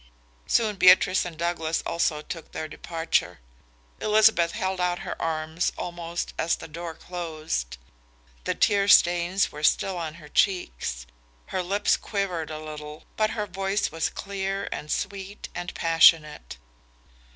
Soon Beatrice and Douglas also took their departure. Elizabeth held out her arms almost as the door closed. The tear stains were still on her cheeks. Her lips quivered a little, but her voice was clear and sweet and passionate.